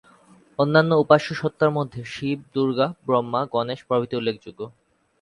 অন্যান্য উপাস্য সত্তার মধ্যে শিব, দুর্গা, ব্রহ্মা, গণেশ প্রভৃতি উল্লেখযোগ্য।